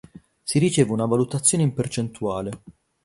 Si riceve una valutazione in percentuale.